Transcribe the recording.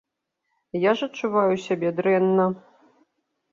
Я ж адчуваю сябе дрэнна.